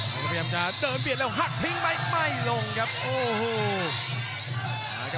พยายามจะเดินเบียดแล้วหักทิ้งไหมไม่ลงครับโอ้โห